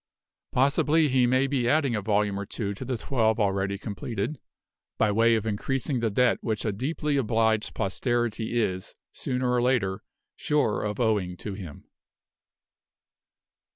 Possibly he may be adding a volume or two to the twelve already completed, by way of increasing the debt which a deeply obliged posterity is, sooner or later, sure of owing to him.